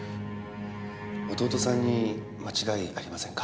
弟さんに間違いありませんか？